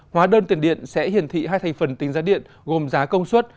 hóa đơn tiền điện sẽ hiển thị hai thành phần tính giá điện gồm giá công suất